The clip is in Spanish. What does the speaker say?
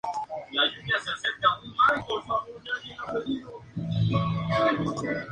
Ésta suele ser diez veces mayor a la frecuencia de reloj.